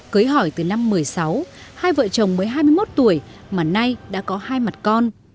cưới hỏi từ năm một mươi sáu hai vợ chồng mới hai mươi một tuổi mà nay đã có hai mặt con